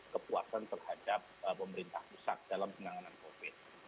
kepuasan terhadap pemerintah pusat dalam penanganan covid sembilan belas